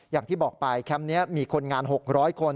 อย่างที่บอกไปแคมป์นี้มีคนงาน๖๐๐คน